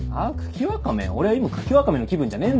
俺は今茎ワカメの気分じゃねえんだよ！